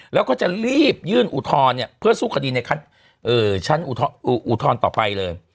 แล้วก็จะรีบยื่นอุทธรณ์เพื่อสู้คดีในชั้นอุทธรณ์ต่อไปเลย